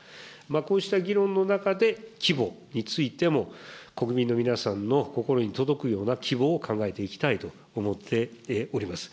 こうした議論の中で規模についても、国民の皆さんの心に届くような規模を考えていきたいと思っております。